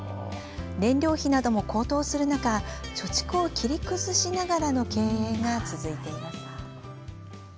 燃料費なども高騰する中貯蓄を切り崩しながらの経営が続いています。